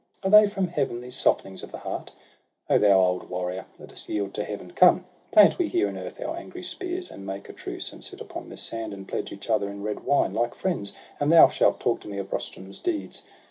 Are they from Heaven, these softenings of the heart ? O thou old warrior, let us yield to Heaven I Come, plant we here in earth our angry spears, And make a truce, and sit upon this sand. And pledge each other in red wine, like friends. And thou shalt talk to me of Rustum's deeds.